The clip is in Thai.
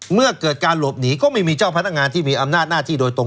เมื่อเกิดการหลบหนีก็ไม่มีเจ้าพนักงานที่มีอำนาจหน้าที่โดยตรง